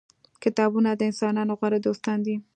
کتابونه د انسانانو غوره دوستان دي.